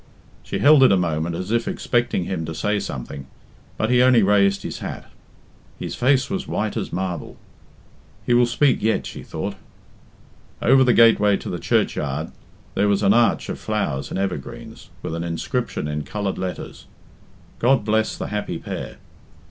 She held it a moment as if expecting him to say something, but he only raised his hat. His face was white as marble. He will speak yet, she thought. Over the gateway to the churchyard there was an arch of flowers and evergreens, with an inscription in coloured letters: "God bless the happy pair."